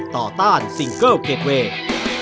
ต่อต้านซิงเกอร์เกดเวย์